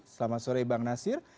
selamat sore bang nasir